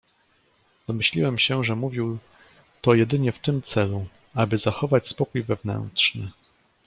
"Domyśliłem się, że mówił to jedynie w tym celu, aby zachować spokój wewnętrzny."